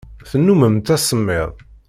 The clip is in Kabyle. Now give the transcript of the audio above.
Tennummemt asemmiḍ.